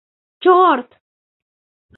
— Чорт!..